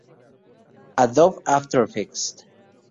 Adobe After Effects